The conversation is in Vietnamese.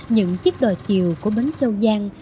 những chiếc đò chiều của bến châu giang